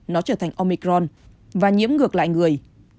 nó trở thành omicron và nhiễm ngược lại người